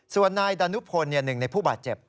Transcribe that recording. ส่วนนายดานุพลหนึ่งในผู้บาดเจ็บ